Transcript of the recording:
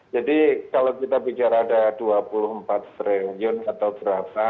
jadi kalau kita bicara ada dua puluh empat triliun atau berapa